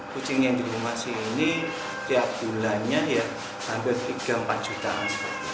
kucing yang di rumah sini setiap bulannya ya hampir tiga empat jutaan